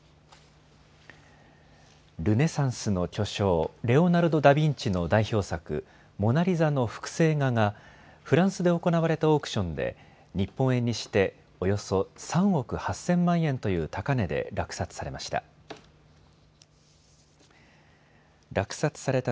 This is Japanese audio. ルネサンスの巨匠、レオナルド・ダビンチの代表作、モナリザの複製画がフランスで行われたオークションで日本円にしておよそ３億８０００万円という高値で落札されました。